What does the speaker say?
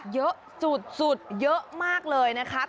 เยอะสุดเยอะมากเลยนะคะ